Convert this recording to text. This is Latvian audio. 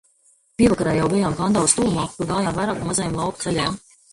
Pievakarē jau bijām Kandavas tuvumā, kur gājām vairāk pa mazajiem lauku ceļiem.